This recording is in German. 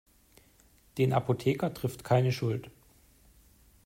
Den Apotheker trifft keine Schuld.